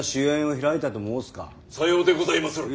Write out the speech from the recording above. さようでございまする。